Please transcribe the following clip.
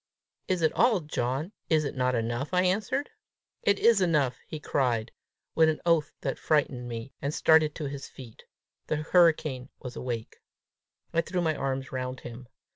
"It is all, John: is it not enough?" I answered. "It is enough," he cried, with an oath that frightened me, and started to his feet. The hurricane was awake. I threw my arms round him.